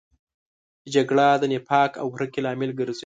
جګړه د نفاق او کرکې لامل ګرځي